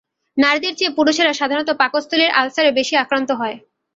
নারীদের চেয়ে পুরুষেরা সাধারণত পাকস্থলীর আলসারে বেশি আক্রান্ত হয়।